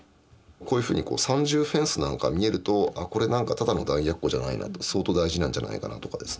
こういうふうに３重フェンスなんか見えるとあこれ何かただの弾薬庫じゃないなと相当大事なんじゃないかなとかですね